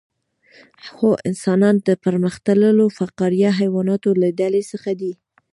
هو انسانان د پرمختللو فقاریه حیواناتو له ډلې څخه دي